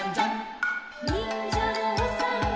「にんじゃのおさんぽ」